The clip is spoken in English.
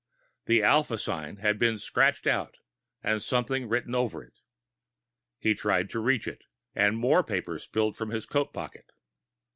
The alpha sign had been scratched out, and something written over it. He tried to reach it, and more papers spilled from his coat pocket.